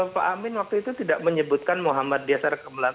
pak amin waktu itu tidak menyebutkan muhammad di secara kelembagaan